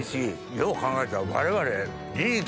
よう考えたら我々。